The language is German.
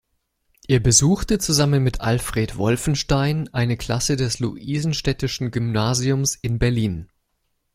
Er besuchte zusammen mit Alfred Wolfenstein eine Klasse des Luisenstädtischen Gymnasiums in Berlin.